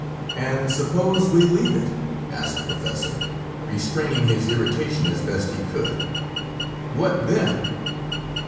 "And suppose we leave it?" asked the professor, restraining his irritation as best he could. "What then?"